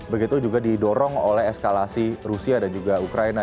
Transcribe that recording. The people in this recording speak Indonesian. begitu juga didorong oleh eskalasi rusia dan juga ukraina